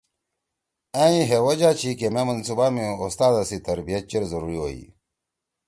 أئں ہے وجہ چھی کہ مے منصوبہ می اُستادا سی تربیت چیر ضروری ہوئی۔